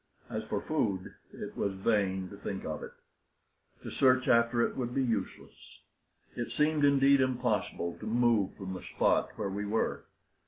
As for food, it was vain to think of it. To search after it would be useless. It seemed, indeed, impossible to move from the spot where we were.